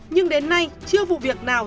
nhưng đến nay chưa vụ việc nào